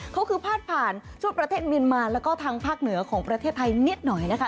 เขาคือพาดผ่านช่วงประเทศเมียนมาแล้วก็ทางภาคเหนือของประเทศไทยนิดหน่อยนะคะ